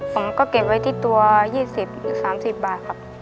ผมก็เก็บไว้ที่ตัว๒๐หรือ๓๐บาทครับ